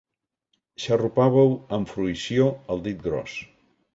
Xarrupàveu amb fruïció el dit gros.